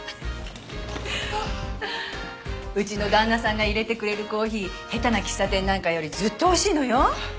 うちの旦那さんが淹れてくれるコーヒーヘタな喫茶店なんかよりずっとおいしいのよ。